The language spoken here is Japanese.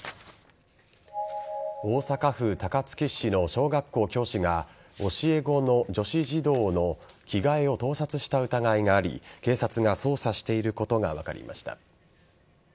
大阪府高槻市の小学校教師が教え子の女子児童の着替えを盗撮した疑いがあり警察が捜査していることが分かりました。